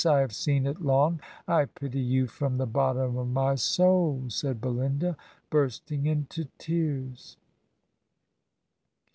'I have seen it long ; I pity you from the bottom of my soul,' said Belinda, bursting into tears."